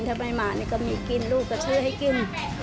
ทำให้มากก็มีกินลูกก็เชื่อให้กิน